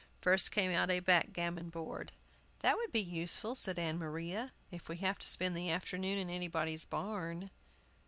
First came out a backgammon board. "That would be useful," said Ann Maria, "if we have to spend the afternoon in anybody's barn."